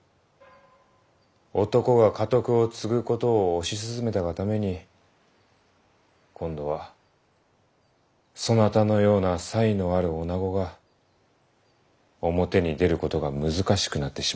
男が家督を継ぐことを推し進めたがために今度はそなたのような才のある女が表に出ることが難しくなってしまった。